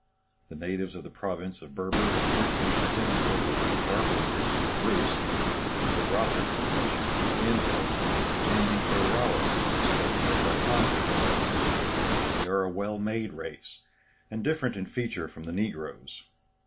The natives of the province of Berber appear to be identical with the Barbarins of Bruce, the Barabas mentioned by D'Anville, and the Barauras spoken of by Poncet. They are a well made race, and different in feature from the negroes.